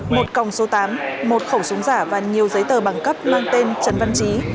một còng số tám một khẩu súng giả và nhiều giấy tờ bằng cấp mang tên trần văn trí